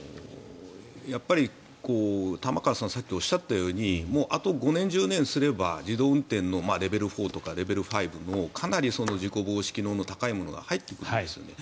玉川さんがさっきおっしゃったようにあと５年、１０年すれば自動運転のレベル４とかレベル５のかなり事故防止機能の高いものが入ってくるんですよね。